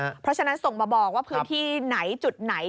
เพราะฉะนั้นส่งมาบอกว่าพื้นที่ไหนจุดไหน